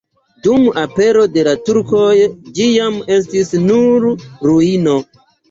Dum apero de la turkoj ĝi jam estis nur ruino.